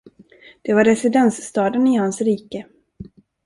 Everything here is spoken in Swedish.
Det var residensstaden i hans rike.